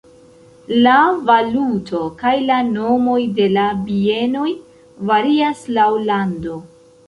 La valuto kaj la nomoj de la bienoj varias laŭ lando.